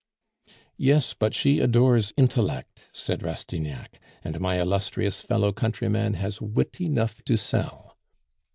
"Yes, but she adores intellect," said Rastignac, "and my illustrious fellow countryman has wit enough to sell."